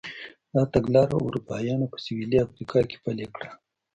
دا تګلاره اروپایانو په سوېلي افریقا کې پلې کړه.